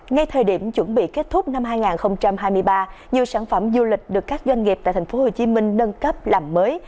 ngay thời điểm chuẩn bị kết thúc năm hai nghìn hai mươi ba nhiều sản phẩm du lịch được các doanh nghiệp tại tp hcm nâng cấp làm mới